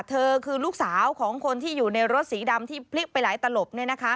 เธอคือลูกสาวของคนที่อยู่ในรถสีดำที่พลิกไปหลายตลบ